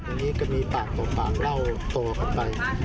อย่างนี้ก็มีปากต่อปากเล่าต่อกันไป